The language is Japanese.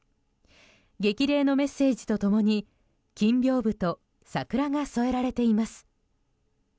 激励のメッセージと共に金屏風と桜が添えられています。